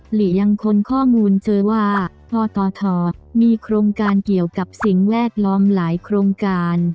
หลียังค้นข้อมูลเจอว่าพตทมีโครงการเกี่ยวกับสิ่งแวดล้อมหลายโครงการ